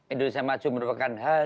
indonesia maju merupakan hal